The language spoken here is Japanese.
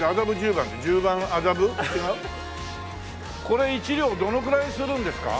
これ１両どのぐらいするんですか？